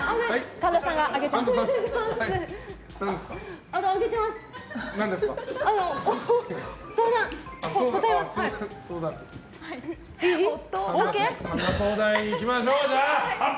神田相談員、いきましょう。